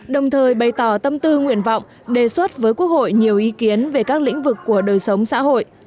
đồng thời bày tỏ tâm tư nguyện vọng đề xuất với quốc hội nhiều ý kiến về các lĩnh vực của đời sống xã hội